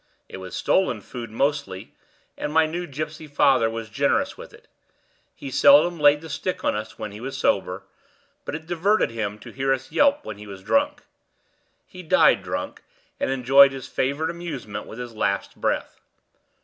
It was stolen food mostly, and my new gypsy father was generous with it. He seldom laid the stick on us when he was sober; but it diverted him to hear us yelp when he was drunk. He died drunk, and enjoyed his favorite amusement with his last breath.